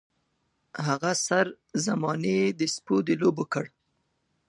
هغه سر زمانې د سپو د لوبو کړ.